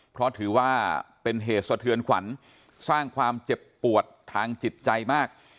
เพราะถือว่าเป็นเหตุสะเทือนขวัญสร้างความเจ็บปวดทางจิตใจมาก